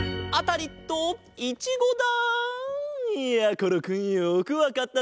ころくんよくわかったな。